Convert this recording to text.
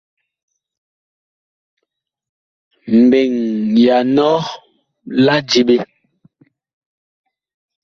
Mbeŋ ya nɔ la diɓe.